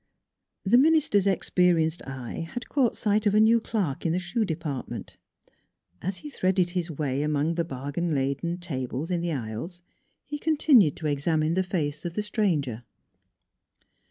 The minister's experienced eye had caught sight of a new clerk in the shoe department. As he threaded his way among the bargain laden NEIGHBORS 105 tables in the aisles, he continued to examine the face of the stranger.